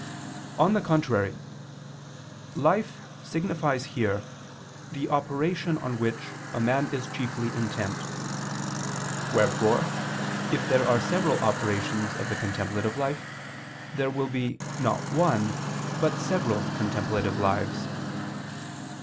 On the contrary, Life signifies here the operation on which a man is chiefly intent. Wherefore if there are several operations of the contemplative life, there will be, not one, but several contemplative lives.